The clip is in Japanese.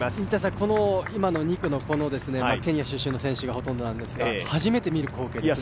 今のこの２区のケニアの出身の選手がほとんどなんですが初めて見る光景ですね。